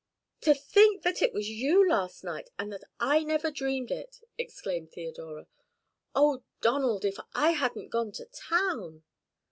"To think that it was you last night, and that I never dreamed it," exclaimed Theodora. "Oh, Donald, if I hadn't gone to town!"